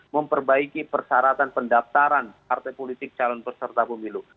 memperbaiki persyaratan pendaftaran partai politik calon peserta pemilu